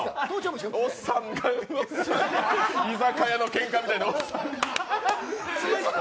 おっさんが居酒屋のけんかみたいにおっさんの頭が。